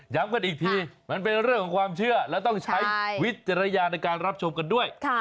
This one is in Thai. กันอีกทีมันเป็นเรื่องของความเชื่อและต้องใช้วิจารณญาณในการรับชมกันด้วย